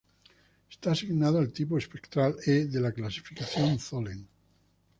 Está asignado al tipo espectral E de la clasificación Tholen.